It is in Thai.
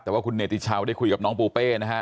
แต่ว่าคุณเนติชาวได้คุยกับน้องปูเป้นะฮะ